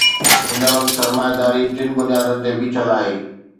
هن وقت سرمائيداري ٽن بنيادن تي بيٺل آهي.